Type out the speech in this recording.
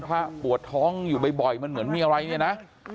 ถ้าปวดท้องอยู่บ่อยมันเหมือนมีอะไรเนี่ยนะ